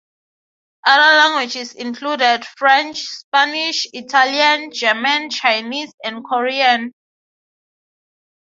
Other languages included French, Spanish, Italian, German, Chinese and Korean.